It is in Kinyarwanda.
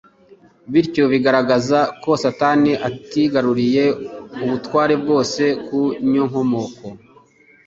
Bityo bikagaragaza ko Satani atigaruriye ubutware bwose ku nyokomuntu